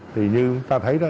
thì như chúng ta thấy đó